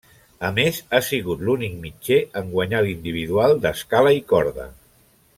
A més, ha sigut l'únic mitger en guanyar l'Individual d'Escala i corda.